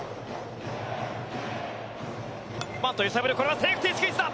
これはセーフティースクイズだ。